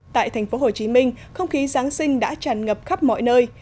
tại thành phố hồ chí minh không khí giáng sinh đã tràn ngập khắp mọi nơi